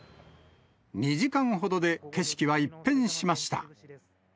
２時間ほどで景色は一変しました。